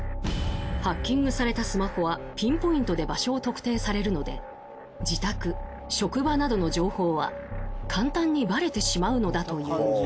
ハッキングされたスマホはピンポイントで場所を特定されるので自宅・職場などの情報は簡単にバレてしまうのだという。